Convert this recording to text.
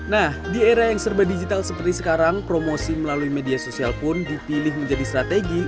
nah di era yang serba digital seperti sekarang promosi melalui media sosial pun dipilih menjadi strategi